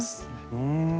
うん。